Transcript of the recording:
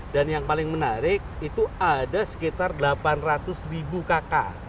dan yang paling menarik itu ada sekitar delapan ratus ribu kakak